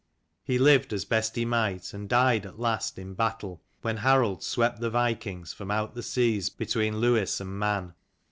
He lived as best he might, and died at last in battle, when Harald swept the vikings from out of the seas between Lewis and Man.